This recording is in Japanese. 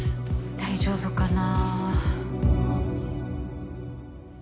大丈夫かな。